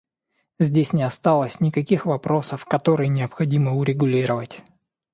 Здесь не осталось никаких вопросов, которые необходимо урегулировать.